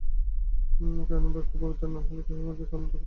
কায়মনোবাক্যে পবিত্র না হইলে কেহ কখনও ধার্মিক হইতে পারে না।